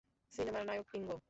সিনেমার নায়ক, কিঙ্গো।